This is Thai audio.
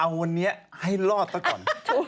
เอาวันนี้ให้รอดซะก่อน